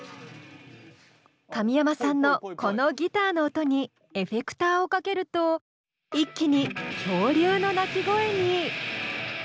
神山さんのこのギターの音にエフェクターをかけると一気に恐竜の鳴き声に！